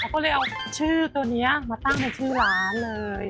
ก็เลยเอาชื่อตัวนี้มาตั้งในชื่อร้านเลย